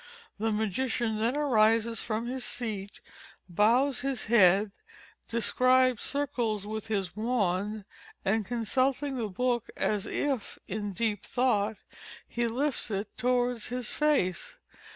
The magician then arises from his seat, bows his head, describes circles with his wand, and consulting the book as If in deep thought, he lifts it towards his face.